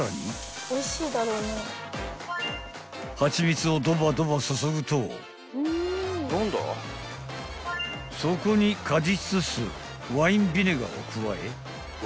［蜂蜜をドバドバ注ぐとそこに果実酢ワインビネガーを加え］